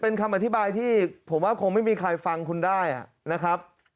เป็นคำอธิบายที่ผมว่าคงไม่มีใครฟังคุณได้นะครับ